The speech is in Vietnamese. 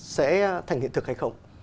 sẽ thành hiện thực hay không